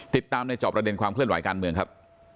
ติดตามในจอบประเด็นความเคลื่อนไหวการเมืองครับ